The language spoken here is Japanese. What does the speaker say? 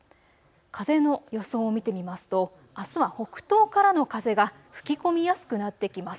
風の予想を見てみますとあすは北東からの風が吹き込みやすくなってきます。